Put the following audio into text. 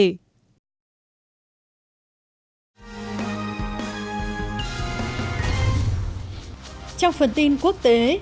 trong phần tin quốc tế